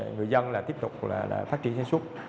người dân là tiếp tục là phát triển sản xuất